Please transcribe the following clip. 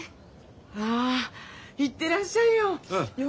あ行ってらっしゃいよ！